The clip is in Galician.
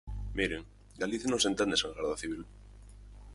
Miren, Galicia non se entende sen a Garda Civil.